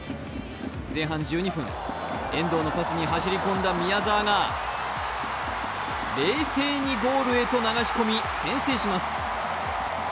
前半１２分、遠藤のパスに走り込んだ宮澤が冷静にゴールへと流し込み先制します。